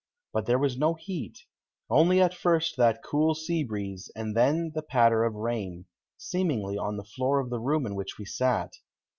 But there was no heat; only at first that cool sea breeze and then the patter of rain, seemingly on the floor of the room in which we sat.